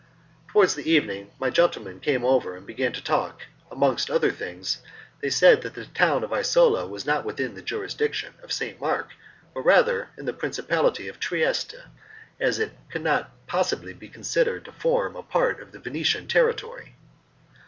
Towards the evening my gentlemen came, and began to talk; amongst other things, they said that the town of Isola was not within the jurisdiction of St. Mark, but rather in the principality of Trieste, as it could not possibly be considered to form part of the Venetian territory.